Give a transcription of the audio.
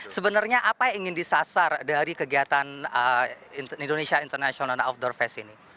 sebenarnya apa yang ingin disasar dari kegiatan indonesia international outdoor fest ini